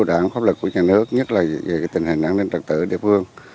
đảng pháp lực của nhà nước nhất là về tình hình an ninh trật tự ở địa phương